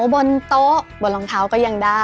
บนโต๊ะบนรองเท้าก็ยังได้